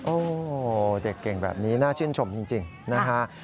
โอ้โหเด็กเก่งแบบนี้น่าชื่นชมจริงนะฮะ